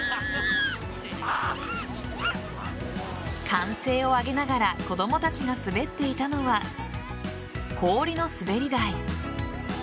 歓声を上げながら子供たちが滑っていたのは氷の滑り台。